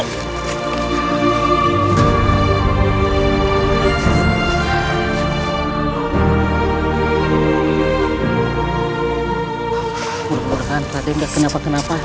tuhan rati enggak kenapa kenapa